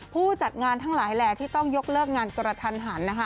ผู้จัดงานทั้งหลายแหล่ที่ต้องยกเลิกงานกระทันหันนะคะ